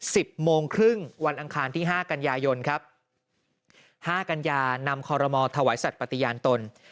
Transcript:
สิบโมงครึ่งวันอังคารที่ห้ากันยายนครับห้ากัญญานำคอรมอลถวายสัตว์ปฏิญาณตน